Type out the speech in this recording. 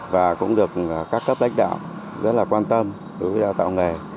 và cũng được các cấp đách đạo rất quan tâm đối với đào tạo nghề